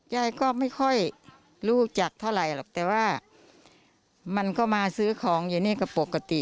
ยายก็ไม่ค่อยรู้จักเท่าไหร่หรอกแต่ว่ามันก็มาซื้อของอยู่นี่ก็ปกติ